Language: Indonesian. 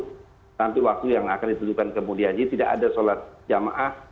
nanti waktu yang akan ditutupkan kemudiannya tidak ada salat jama'ah